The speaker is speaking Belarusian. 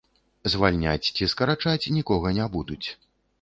Звальняць ці скарачаць нікога не будуць.